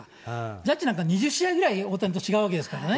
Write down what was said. ジャッジなんか２０試合ぐらい大谷と違うわけですからね。